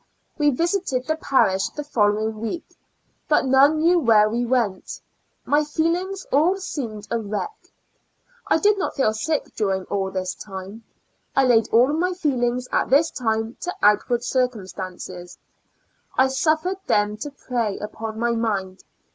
We visited the parish the following week, but none knew where we went ; my feelings all seemed a wreck. I did not feel sick during all this 16 Two Years and Four Months time. I laid all my feelings at this time to outward circumstances ; I suffered them to prey upon my mind.